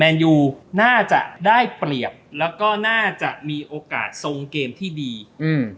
ยูน่าจะได้เปรียบแล้วก็น่าจะมีโอกาสทรงเกมที่ดีอืม